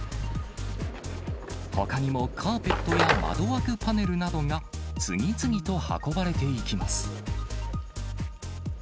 ほかにもカーペットや窓枠パネルなどが、次々と運ばれていきます。